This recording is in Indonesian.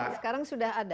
sekarang sudah ada